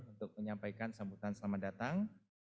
untuk menyampaikan sambutan selamat datang